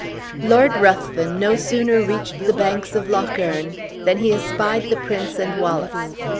Lord Ruthven no sooner reached the banks of Loch Earn, than he espied the prince and Wallace.